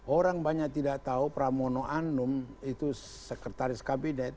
orang banyak tidak tahu pramono anum itu sekretaris kabinet